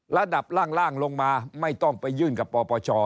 ระดับล่างลงมาไม่ต้องไปยื่นกับปปช